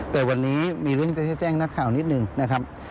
แต่วันนี้มีเรื่องที่จะแจ้งนักข่าวนิดหนึ่งนะครับ